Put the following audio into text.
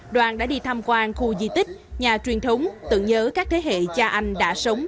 đoàn đã đi tham quan khu di tích nhà truyền thống tưởng nhớ các thế hệ cha anh đã sống